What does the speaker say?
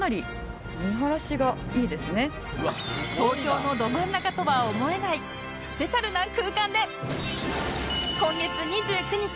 東京のど真ん中とは思えないスペシャルな空間で今月２９日